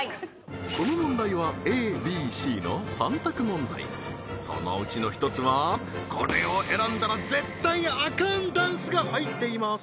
この問題はそのうちの１つはこれを選んだら絶対アカンダンスが入っています